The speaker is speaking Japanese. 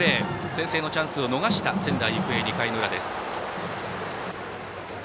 先制のチャンスを逃した仙台育英２回の裏です。